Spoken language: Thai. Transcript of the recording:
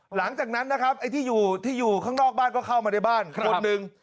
หลังจากนั้นนะครับไอ้ที่อยู่ที่อยู่ข้างนอกบ้านก็เข้ามาในบ้านคนหนึ่ง